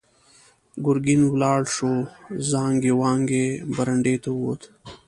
ګرګين ولاړ شو، زانګې وانګې برنډې ته ووت.